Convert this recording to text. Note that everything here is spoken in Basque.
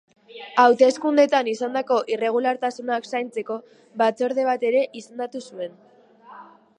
Hauteskundeetan izandako irregulartasunak zaintzeko batzorde bat ere izendatu zuen.